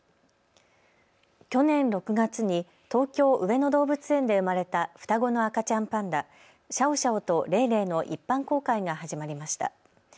去年６月に東京・上野動物園で生まれた双子の赤ちゃんパンダ、シャオシャオとレイレイの一般公開が始まりました。